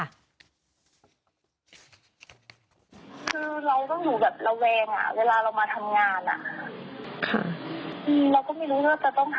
เหมือนเป็นแบบเป็นอาการทางจิตเหมือนคนป่วยจริงนะคะ